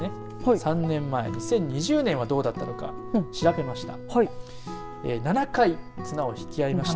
３年前、２０２０年はどうだったのか調べました。